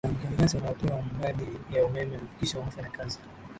na makandarasi wanaopewa miradi ya umeme kuhakikisha wanafanya kazi